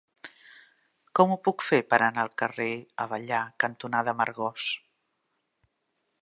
Com ho puc fer per anar al carrer Avellà cantonada Amargós?